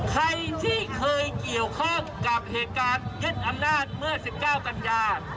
ใครที่เคยเกี่ยวข้องกับเหตุการณ์ยึดอำนาจเมื่อ๑๙กันยา